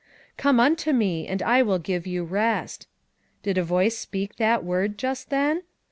"Come unto me and I will give you rest." Did a voice speak that word just then?